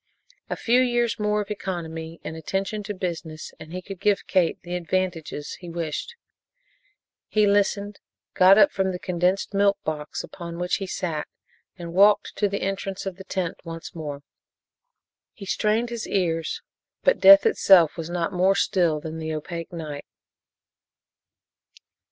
A few years more of economy and attention to business and he could give Kate the advantages he wished. He listened, got up from the condensed milk box upon which he sat and walked to the entrance of the tent once more. He strained his ears, but death itself was not more still than the opaque night.